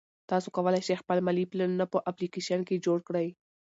تاسو کولای شئ خپل مالي پلانونه په اپلیکیشن کې جوړ کړئ.